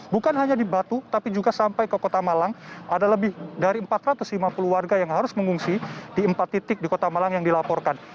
bukan hanya di batu tapi juga sampai ke kota malang ada lebih dari empat ratus lima puluh warga yang harus mengungsi di empat titik di kota malang yang dilaporkan